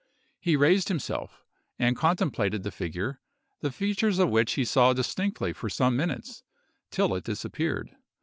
He raised himself, and contemplated the figure, the features of which he saw distinctly for some minutes, till it disappeared.